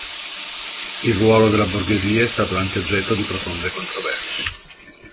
Il ruolo della borghesia è stato anche oggetto di profonde controversie.